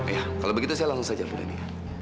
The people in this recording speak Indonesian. ya kalau begitu saya langsung saja bu leni